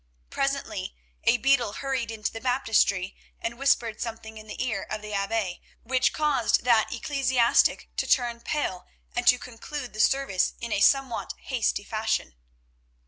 Presently a beadle hurried into the baptistery, and whispered something in the ear of the Abbe which caused that ecclesiastic to turn pale and to conclude the service in a somewhat hasty fashion.